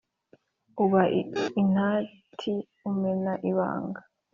uba intati, umena ibanga